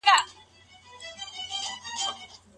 د جمهورو فقهاوو رايه د مريي په اړه څه ده؟